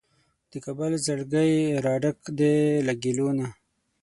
د کابل زړګی راډک دی له ګیلو نه